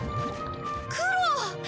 クロ！